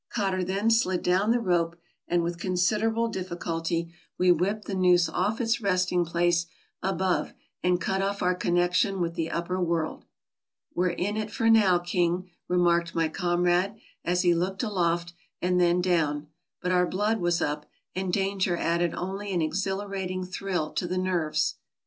Cotter then slid down the rope, and, with considerable difficulty, we whipped the noose off its resting place above and cut off our connection with the upper world. "We're in for it now, King," remarked my comrade, as he looked aloft and then down ; but our blood was up, and danger added only an exhilarating thrill to the nerves.